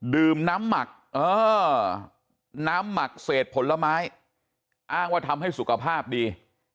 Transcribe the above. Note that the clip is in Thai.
ดื่มน้ำหมักน้ำหมักเศษผลไม้อ้างว่าทำให้สุขภาพดี